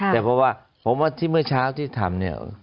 แต่เพราะว่าผมว่าที่เมื่อเช้าที่ทำเนี่ย